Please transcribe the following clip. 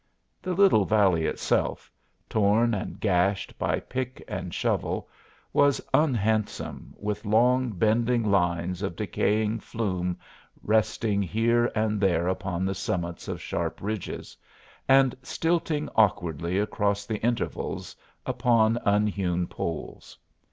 The little valley itself, torn and gashed by pick and shovel, was unhandsome with long, bending lines of decaying flume resting here and there upon the summits of sharp ridges, and stilting awkwardly across the intervals upon unhewn poles.